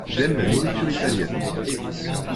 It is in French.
J'aime la nourriture italienne.